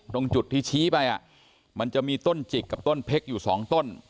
ตรงจุดที่ชี้ไปมันจะมีต้นจิกกับต้นเพชรอยู่สองต้น